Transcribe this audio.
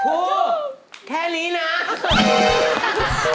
คูแค่นี้นะครับ